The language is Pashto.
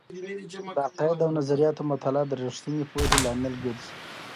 د عقائد او نظریاتو مطالعه د رښتینې پوهې لامل ګرځي.